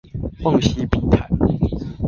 夢溪筆談